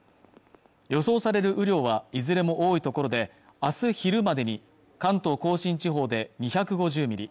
予想される雨量はいずれも多い所であす昼までに関東甲信地方で２５０ミリ